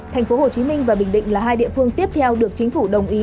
tp hcm và bình định là hai địa phương tiếp theo được chính phủ đồng ý